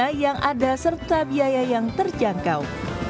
biaya yang ada serta biaya yang terjangkau